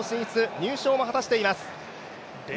入賞も果たしています。